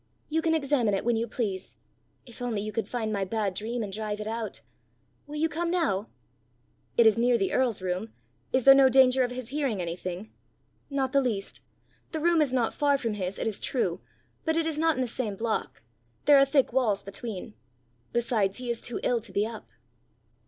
You can examine it when you please. If only you could find my bad dream, and drive it out! Will you come now?" "It is near the earl's room: is there no danger of his hearing anything?" "Not the least. The room is not far from his, it is true, but it is not in the same block; there are thick walls between. Besides he is too ill to be up."